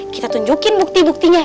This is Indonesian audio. kita tunjukin bukti buktinya